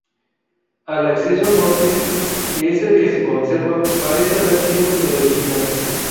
Al acceso norte, que es el que se conserva, parece haber sido el original.